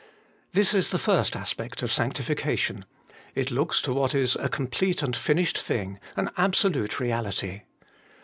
This is the first aspect of sanctification : it looks to what is a complete and finished thing, an absolute reality.